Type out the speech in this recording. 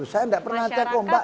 saya enggak pernah cek ombak